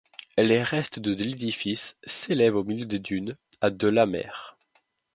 Les restes de l'édifice s'élèvent au milieu des dunes, à de la mer.